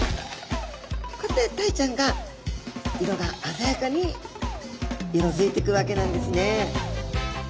こうやってタイちゃんが色があざやかに色づいてくわけなんですね。